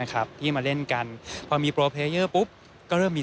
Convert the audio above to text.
ในด้านวงการอีสสปอร์ตด้วยเช่นกัน